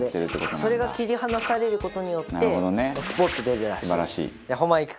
それが切り離される事によってスポッと出るらしい。